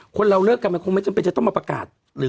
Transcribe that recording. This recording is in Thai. คนเราเลิกกันมันคงไม่จำเป็นจะต้องมาประกาศหรือ